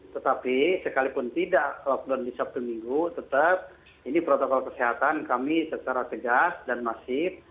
tetapi sekalipun tidak lockdown di sabtu minggu tetap ini protokol kesehatan kami secara tegas dan masif